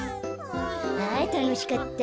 あたのしかった。